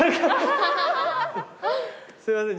すいません。